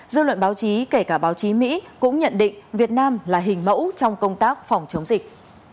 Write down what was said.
dư luận báo chí kể cả báo chí mỹ cũng nhận định việt nam là hình mẫu trong công tác phòng chống dịch